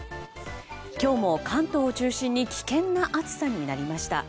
今日も関東を中心に危険な暑さになりました。